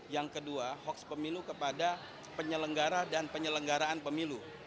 yang kedua hoax pemilu kepada penyelenggara dan penyelenggaraan pemilu